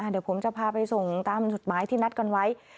เดี๋ยวผมจะพาไปส่งตามจุดหมายที่นัดกันไว้